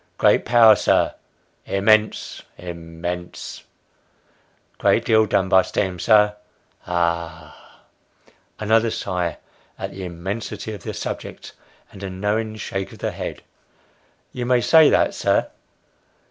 " Great power, sir." " Immense immense !"" Great deal done by steam, sir." " Ah ! (another sigh at the immensity of the subject, and a knowing shake of the head) you may say that, sir."